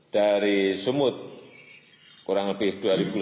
dari sumut kurang lebih dua delapan ratus